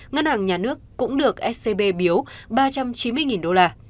ngân hàng nhà nước cũng được scb biếu ba trăm chín mươi đô la